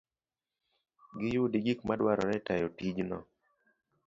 giyudi gik madwarore e tayo tijno.